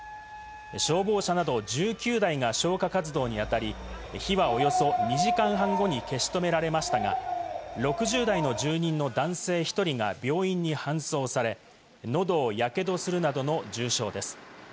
消防車など１９台が消火活動にあたり、火はおよそ２時間半後に消し止められましたが、６０代の住人の男性１人が病院に搬送され、喉をやけどするなどの重傷です。